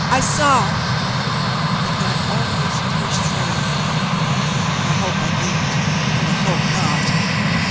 I saw — and I almost cursed Frale. I hope I didn't — oh, I hope not